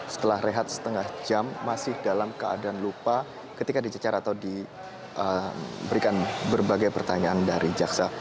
setelah rehat setengah jam masih dalam keadaan lupa ketika dicecar atau diberikan berbagai pertanyaan dari jaksa